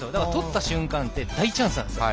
取った瞬間、大チャンスなんです。